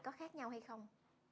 có khác nhau hay không